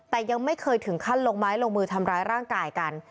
แต่ยังไม่เคยถึงขั้นลงไม้ลงมือทำร้ายร่างกายกัน